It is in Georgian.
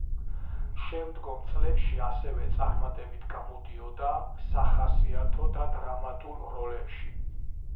შემდგომ წლებში ასევე წარმატებით გამოდიოდა სახასიათო და დრამატულ როლებში.